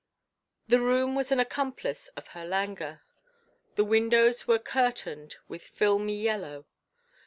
The room was an accomplice of her languor. The windows were curtained with filmy yellow.